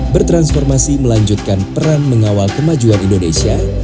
bertransformasi melanjutkan peran mengawal kemajuan indonesia